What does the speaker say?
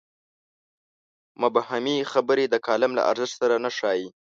مبهمې خبرې د کالم له ارزښت سره نه ښايي.